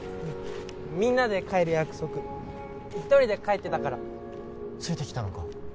みんなで帰る約束１人で帰ってたからついてきたのか？